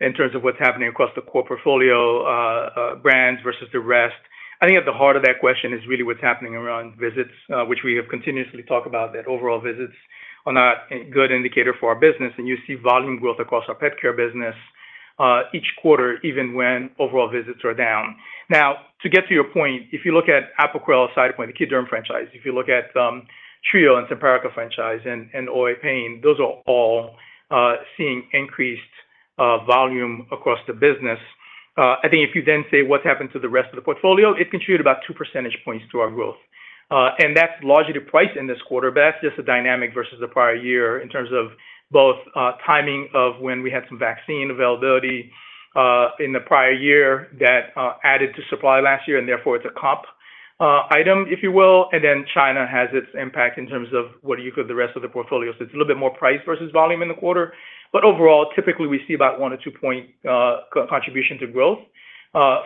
in terms of what's happening across the core portfolio, brands versus the rest. I think at the heart of that question is really what's happening around visits, which we have continuously talked about, that overall visits are not a good indicator for our business, and you see volume growth across our pet care business, each quarter, even when overall visits are down. Now, to get to your point, if you look at Apoquel, Cytopoint, the key derm franchise, if you look at, Trio and Simparica franchise and, and OA pain, those are all, seeing increased, volume across the business. I think if you then say what's happened to the rest of the portfolio, it contributed about two percentage points to our growth. And that's largely the price in this quarter, but that's just a dynamic versus the prior year in terms of both, timing of when we had some vaccine availability, in the prior year that, added to supply last year, and therefore, it's a comp, item, if you will, and then China has its impact in terms of what do you call the rest of the portfolio. So it's a little bit more price versus volume in the quarter, but overall, typically we see about one or two point, contribution to growth,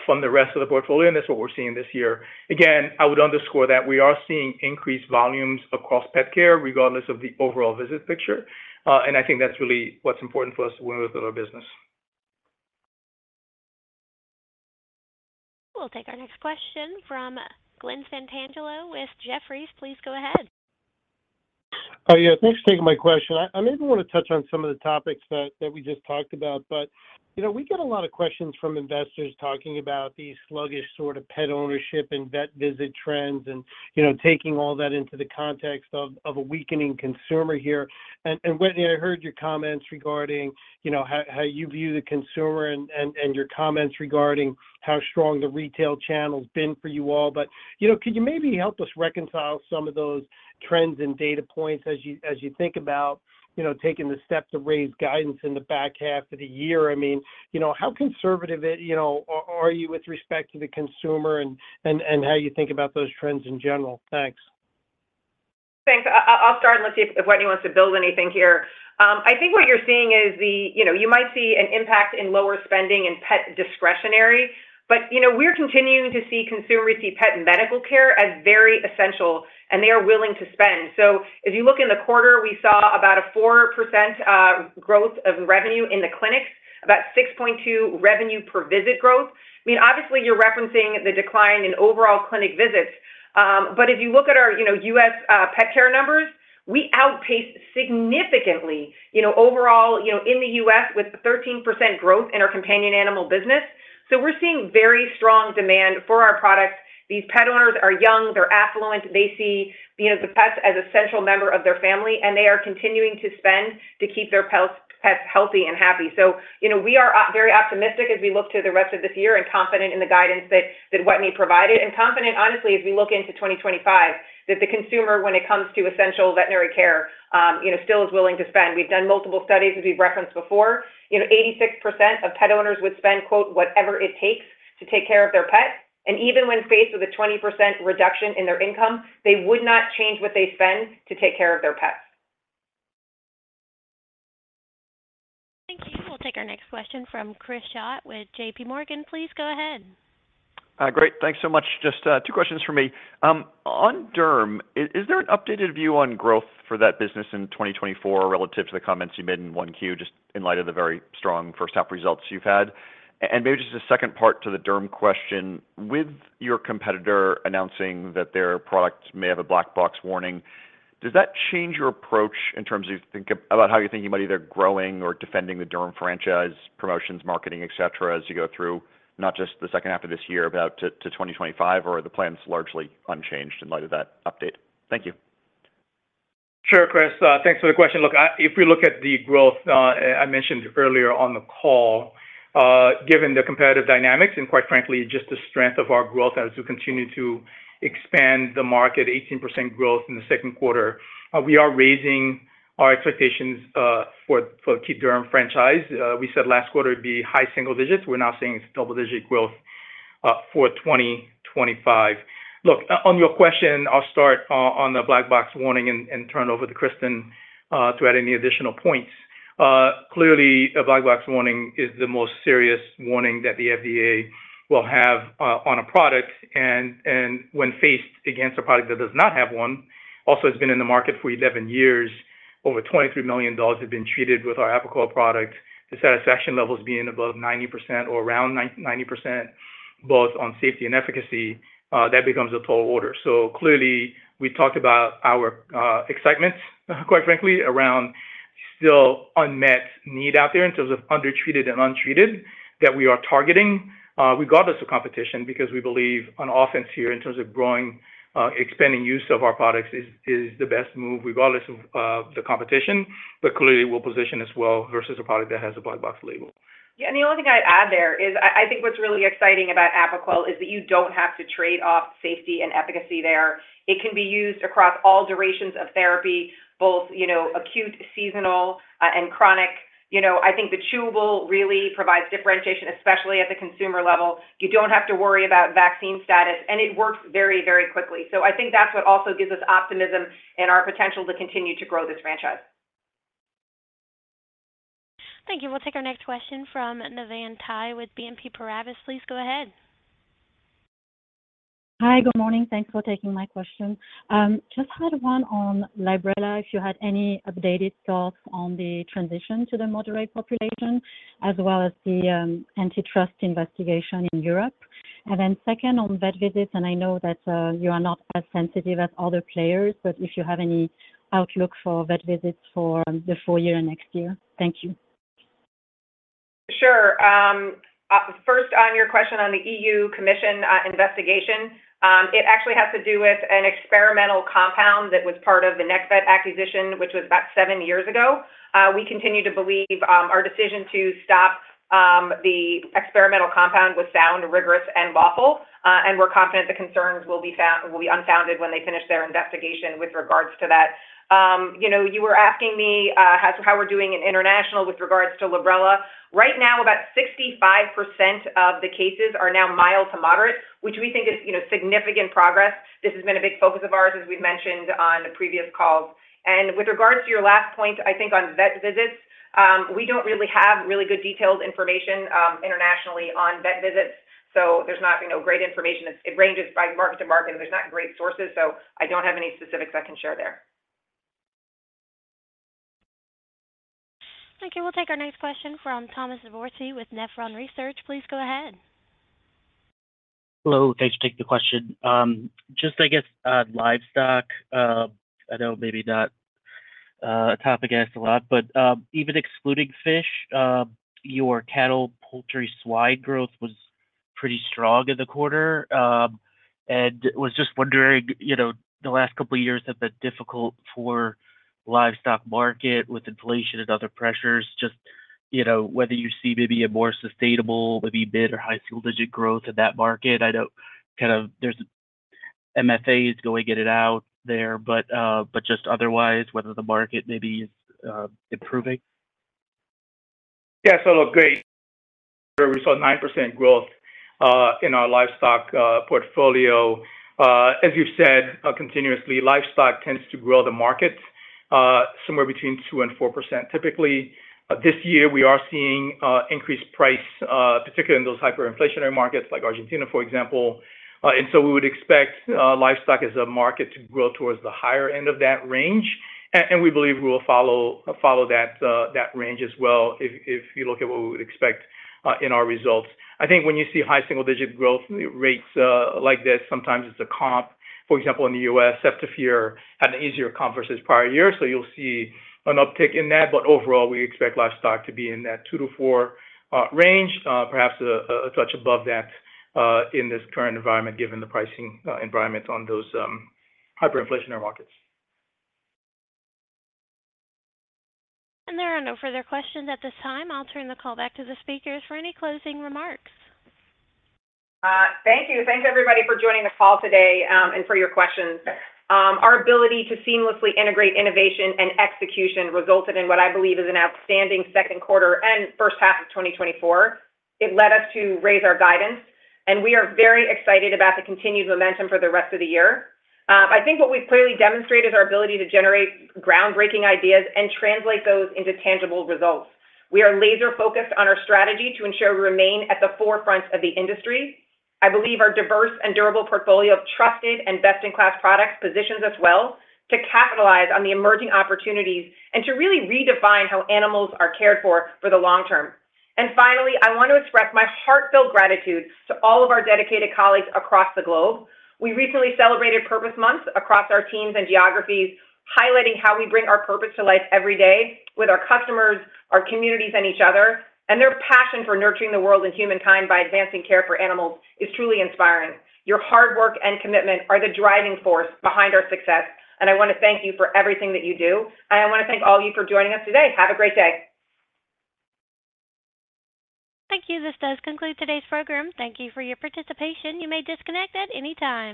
from the rest of the portfolio, and that's what we're seeing this year. Again, I would underscore that we are seeing increased volumes across pet care, regardless of the overall visit picture, and I think that's really what's important for us to win with our business. We'll take our next question from Glenn Santangelo with Jefferies. Please go ahead. Yeah, thanks for taking my question. I maybe wanna touch on some of the topics that we just talked about, but, you know, we get a lot of questions from investors talking about the sluggish sort of pet ownership and vet visit trends and, you know, taking all that into the context of a weakening consumer here. And, Wetteny, I heard your comments regarding, you know, how you view the consumer and your comments regarding how strong the retail channel has been for you all. But, you know, could you maybe help us reconcile some of those trends and data points as you think about, you know, taking the step to raise guidance in the back half of the year? I mean, you know, how conservative are you with respect to the consumer and how you think about those trends in general? Thanks. Thanks. I'll start and let's see if Wetteny wants to build anything here. I think what you're seeing is the. You know, you might see an impact in lower spending in pet discretionary, but, you know, we're continuing to see consumers see pet medical care as very essential, and they are willing to spend. So if you look in the quarter, we saw about a 4% growth of revenue in the clinics, about 6.2 revenue per visit growth. I mean, obviously, you're referencing the decline in overall clinic visits, but if you look at our, you know, U.S., pet care numbers, we outpaced significantly, you know, overall, you know, in the U.S., with 13% growth in our companion animal business. So we're seeing very strong demand for our products. These pet owners are young, they're affluent, they see, you know, the pet as essential member of their family, and they are continuing to spend to keep their pets healthy and happy. So, you know, we are very optimistic as we look to the rest of this year and confident in the guidance that Wetteny provided, and confident, honestly, as we look into 2025, that the consumer, when it comes to essential veterinary care, you know, still is willing to spend. We've done multiple studies, as we've referenced before. You know, 86% of pet owners would spend, quote, "whatever it takes" to take care of their pet, and even when faced with a 20% reduction in their income, they would not change what they spend to take care of their pets. Thank you. We'll take our next question from Chris Schott with JPMorgan. Please go ahead. Great. Thanks so much. Just, two questions from me. On derm, is there an updated view on growth for that business in 2024 relative to the comments you made in 1Q, just in light of the very strong first half results you've had? And maybe just a second part to the derm question. With your competitor announcing that their product may have a black box warning, does that change your approach in terms of you think about how you think you might either growing or defending the derm franchise, promotions, marketing, et cetera, as you go through, not just the second half of this year, but out to 2025, or are the plans largely unchanged in light of that update? Thank you. Sure, Chris, thanks for the question. Look, if we look at the growth I mentioned earlier on the call, given the competitive dynamics and quite frankly, just the strength of our growth as we continue to expand the market, 18% growth in the second quarter, we are raising our expectations for our derm franchise. We said last quarter, it'd be high single digits. We're now seeing double-digit growth for 2025. Look, on your question, I'll start on the black box warning and turn over to Kristin to add any additional points. Clearly, a black box warning is the most serious warning that the FDA will have on a product, and when faced against a product that does not have one, also has been in the market for 11 years, over 23 million dogs have been treated with our Apoquel product, the satisfaction levels being above 90% or around 90%, both on safety and efficacy, that becomes a tall order. So clearly, we talked about our excitement, quite frankly, around still unmet need out there in terms of undertreated and untreated that we are targeting, regardless of competition, because we believe on offense here in terms of growing, expanding use of our products is the best move, regardless of the competition, but clearly we'll position as well versus a product that has a black box label. Yeah, and the only thing I'd add there is I think what's really exciting about Apoquel is that you don't have to trade off safety and efficacy there. It can be used across all durations of therapy, both, you know, acute, seasonal, and chronic. You know, I think the chewable really provides differentiation, especially at the consumer level. You don't have to worry about vaccine status, and it works very, very quickly. So I think that's what also gives us optimism and our potential to continue to grow this franchise. Thank you. We'll take our next question from Navann Ty with BNP Paribas. Please go ahead. Hi, good morning. Thanks for taking my question. Just had one on Librela. If you had any updated thoughts on the transition to the moderate population, as well as the antitrust investigation in Europe? And then second, on vet visits, and I know that you are not as sensitive as other players, but if you have any outlook for vet visits for the full year next year? Thank you. Sure. First, on your question on the EU Commission investigation, it actually has to do with an experimental compound that was part of the Nexvet acquisition, which was about seven years ago. We continue to believe our decision to stop the experimental compound was sound, rigorous, and lawful, and we're confident the concerns will be unfounded when they finish their investigation with regards to that. You know, you were asking me how we're doing in international with regards to Librela. Right now, about 65% of the cases are now mild to moderate, which we think is, you know, significant progress. This has been a big focus of ours, as we've mentioned on the previous calls. With regards to your last point, I think on vet visits, we don't really have really good detailed information internationally on vet visits, so there's not, you know, great information. It ranges by market to market, and there's not great sources, so I don't have any specifics I can share there. Thank you. We'll take our next question from Thomas Dvorsky with Nephron Research. Please go ahead. Hello. Thanks for taking the question. Just, I guess, on livestock, I know maybe not a topic asked a lot, but even excluding fish, your cattle, poultry, swine growth was pretty strong in the quarter. And was just wondering, you know, the last couple of years have been difficult for livestock market with inflation and other pressures, just, you know, whether you see maybe a more sustainable, maybe mid- or high single-digit growth in that market? I know kind of there's MFA is going to get it out there, but just otherwise, whether the market maybe is improving. Yes. So look, great. We saw 9% growth in our livestock portfolio. As you said, continuously, livestock tends to grow the market somewhere between 2%-4%. Typically, this year, we are seeing increased price, particularly in those hyperinflationary markets, like Argentina, for example. And so we would expect livestock as a market to grow towards the higher end of that range. And we believe we will follow that range as well, if you look at what we would expect in our results. I think when you see high single-digit growth rates like this, sometimes it's a comp. For example, in the U.S., ceftiofur had an easier comp this prior year, so you'll see an uptick in that. But overall, we expect livestock to be in that 2%-4% range, perhaps a touch above that, in this current environment, given the pricing environment on those hyperinflationary markets. There are no further questions at this time. I'll turn the call back to the speakers for any closing remarks. Thank you. Thanks, everybody, for joining the call today, and for your questions. Our ability to seamlessly integrate innovation and execution resulted in what I believe is an outstanding second quarter and first half of 2024. It led us to raise our guidance, and we are very excited about the continued momentum for the rest of the year. I think what we've clearly demonstrated is our ability to generate groundbreaking ideas and translate those into tangible results. We are laser-focused on our strategy to ensure we remain at the forefront of the industry. I believe our diverse and durable portfolio of trusted and best-in-class products positions us well to capitalize on the emerging opportunities and to really redefine how animals are cared for, for the long term. Finally, I want to express my heartfelt gratitude to all of our dedicated colleagues across the globe. We recently celebrated Purpose Month across our teams and geographies, highlighting how we bring our purpose to life every day with our customers, our communities, and each other. And their passion for nurturing the world and humankind by advancing care for animals is truly inspiring. Your hard work and commitment are the driving force behind our success, and I want to thank you for everything that you do. And I want to thank all of you for joining us today. Have a great day. Thank you. This does conclude today's program. Thank you for your participation. You may disconnect at any time.